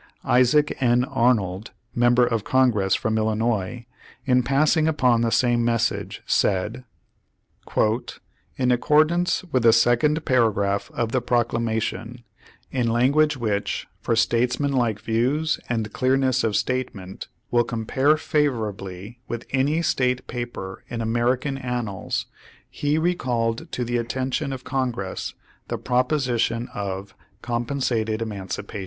Isaac N. Arnold, member of Congress from Illinois, in passing upon the same message, said : "In accordance with the second paragraph of the procla mation, in language which for statesmanlike views, and clearness of statement, will compare favorably with any State paper in American Annals, he recalled to the atten tion of Congress the proposition of 'compensated emancipa tion.'""